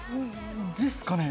ですかね？